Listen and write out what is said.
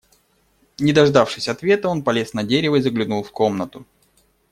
Не дождавшись ответа, он полез на дерево и заглянул в комнату.